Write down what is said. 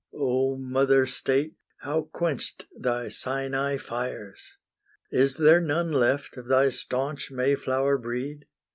O Mother State, how quenched thy Sinai fires! Is there none left of thy staunch Mayflower breed?